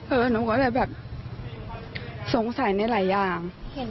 แล้วหนูก็แบบสงสัยในหลายอย่าง